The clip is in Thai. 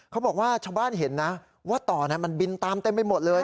เขาบอกว่าชาวบ้านเห็นนะว่าต่อเนี้ยมันบินตามเต็มไปหมดเลย